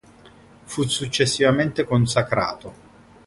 Fu successivamente consacrato.